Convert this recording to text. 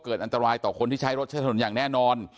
อันตรายต่อคนที่ใช้รถใช้ถนนอย่างแน่นอน